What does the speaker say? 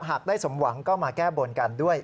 หากได้สมหวังก็มาแก้บนกันด้วย